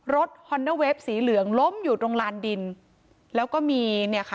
ฮอนเดอร์เวฟสีเหลืองล้มอยู่ตรงลานดินแล้วก็มีเนี่ยค่ะ